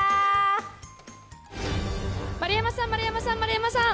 丸山さん、丸山さん、丸山さん。